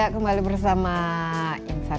kembali bersama insight